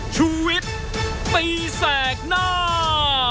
ชูวิทย์ตีแสกหน้า